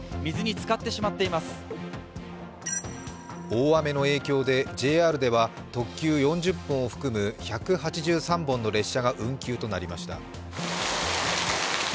大雨の影響でＪＲでは特急４０本を含む１８３本の列車が運休となりました。